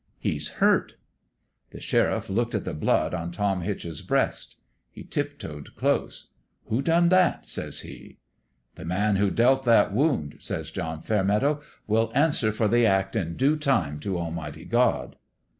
"' He's hurt.' "The sheriff looked at the blood on Tom 240 FAIRMEADOW'S JUSTICE Hitch's breast. He tiptoed close. ' Who done that ?' says he. "' The man who dealt that wound,' says John Fairmeadow, ' will answer for the act in due time to Almighty God.'